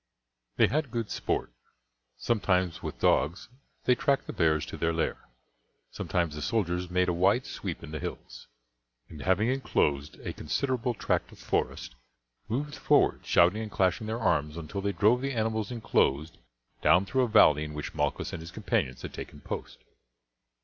They had good sport. Sometimes with dogs they tracked the bears to their lair, sometimes the soldiers made a wide sweep in the hills, and, having inclosed a considerable tract of forest, moved forward, shouting and clashing their arms until they drove the animals inclosed down through a valley in which Malchus and his companions had taken post.